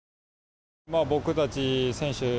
僕たち選手